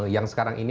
yang sekarang ini